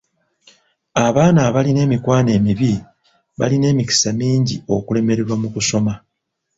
Abaana abalina emikwano emibi balina emikisa mingi okulemererwa mu kusoma.